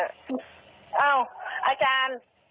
เอ้าอาจารย์